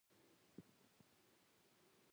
ساده او بې آزاره پیران ول.